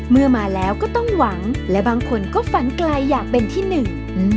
เมื่อมาแล้วก็ต้องหวังและบางคนก็ฝันไกลอยากเป็นที่หนึ่ง